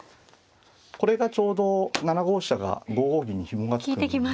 これがちょうど７五飛車が５五銀にひもが付くんで。